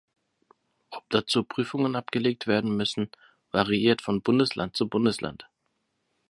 Ob dazu Prüfungen abgelegt werden müssen, variiert von Bundesland zu Bundesland.